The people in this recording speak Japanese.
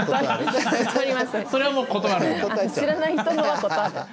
知らない人のは断る。